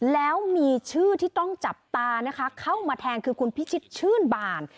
แล้วมีชื่อที่ต้องจับตานะคะเข้ามาแทงคือคุณพิชิตชื่นบาน